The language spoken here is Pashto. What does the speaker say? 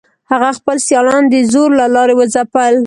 هغه خپل سیالان د زور له لارې وځپل.